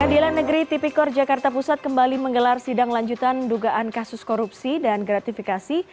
pengadilan negeri tipikor jakarta pusat kembali menggelar sidang lanjutan dugaan kasus korupsi dan gratifikasi